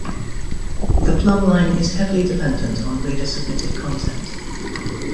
The Plumbline is heavily dependent on reader-submitted content.